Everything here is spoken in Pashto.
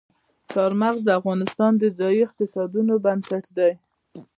چار مغز د افغانستان د ځایي اقتصادونو بنسټ دی.